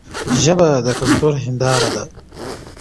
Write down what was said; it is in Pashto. ژبه د کلتور هنداره ده.